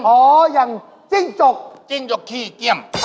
โอ้โฮบ้องก็เห็นเลย